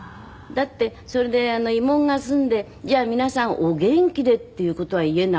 だってそれで慰問が済んで「じゃあ皆さんお元気で」っていう事は言えない。